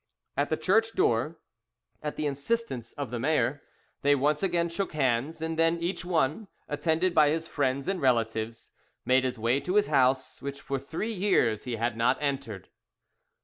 At the church door, at the instance of the mayor, they once again shook hands; and then each one, attended by his friends and relatives, made his way to his house, which for three years he had not entered.